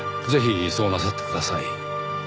ぜひそうなさってください。